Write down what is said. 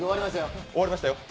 終わりましたよ？